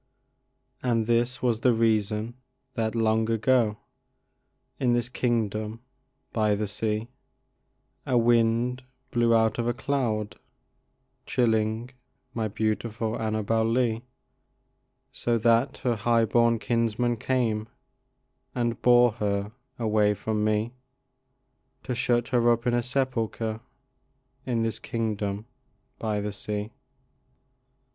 And that was the reason that, long ago, In this kingdom by the sea, A wind blew out of a cloud, chilling My beautiful Annabel Lee, So that her high born kinsmen came And bore her away from me, To shut her up in a sepulcher In this kingdom by the sea.